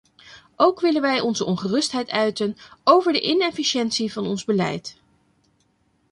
Ook willen wij onze ongerustheid uiten over de inefficiëntie van ons beleid.